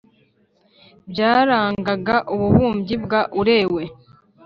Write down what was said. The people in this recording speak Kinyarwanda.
byarangaga ububumbyi bwa Urewe